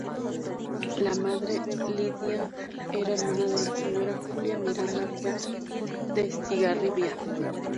La madre, Lydia, era hermana de la señora Julia Miranda Cueto de Estigarribia.